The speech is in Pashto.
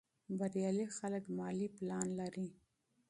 بریالي خلک مالي پلان لري.